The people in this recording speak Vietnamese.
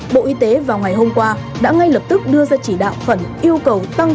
bộ y tế vào ngày hôm qua đã ngay lập tức đưa ra chỉ đạo khẩn yêu cầu tăng